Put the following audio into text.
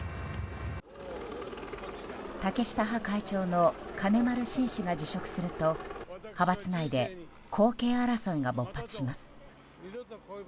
竹下派会長の金丸信氏が辞職すると派閥内で後継争いが勃発します。